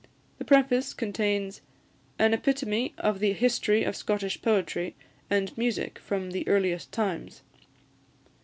The preface contains "An Epitome of the History of Scottish Poetry and Music from the Earliest Times."